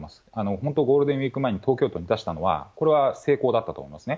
本当、ゴールデンウィーク前に東京都で出したのは、これは成功だったと思いますね。